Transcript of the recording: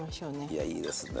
いやいいですね。